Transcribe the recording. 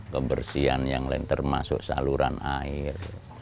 kebersihan yang lain termasuk saluran air